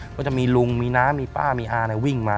ก็จะมีลุงมีน้ามีป้ามีอาวิ่งมา